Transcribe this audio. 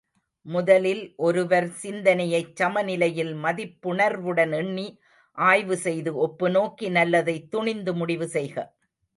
முதலில் ஒருவர் சிந்தனையைச் சமநிலையில் மதிப்புணர்வுடன் எண்ணி ஆய்வுசெய்து ஒப்புநோக்கி நல்லதைத் துணிந்து முடிவு செய்க.